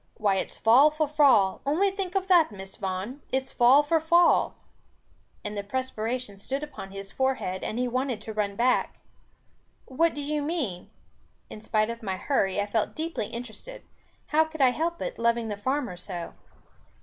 Why it's fall for fall, only think of that, Miss Vaughan, it's fall for fall!" And the perspiration stood upon his forehead, and he wanted to run back. "What do you mean?" In spite of my hurry, I felt deeply interested. How could I help it, loving the farmer so?